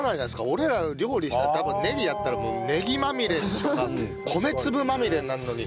俺ら料理したら多分ネギやったらネギまみれとか米粒まみれになるのに。